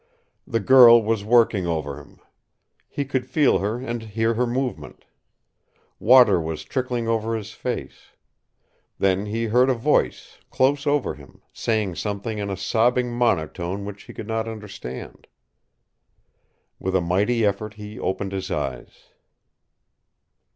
The girl was working over him. He could feel her and hear her movement. Water was trickling over his face. Then he heard a voice, close over him, saying something in a sobbing monotone which he could not understand. With a mighty effort he opened his eyes.